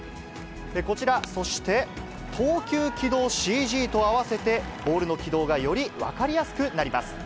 こちら、そして、投球軌道ＣＧと合わせて、ボールの軌道がより分かりやすくなります。